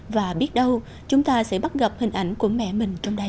và biết đâu chúng ta sẽ bắt gặp hình ảnh của mẹ mình trong đây